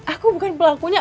aku bukan pelakunya